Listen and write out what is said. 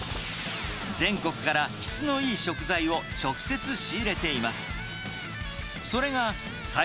全国から質のいい食材を直接仕入れています。